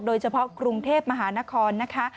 โดยเฉพาะกรุงเทพมหานครนะคะ